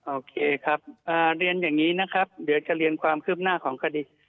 โอเคครับเรียนอย่างนี้นะครับเดี๋ยวจะเรียนความคืบหน้าของคดี